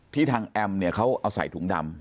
ที่ทางแอมเขาเอาใส่ถุงดำ